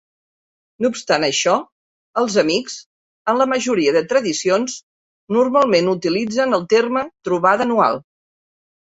No obstant això, els amics, en la majoria de tradicions, normalment utilitzen el terme trobada anual.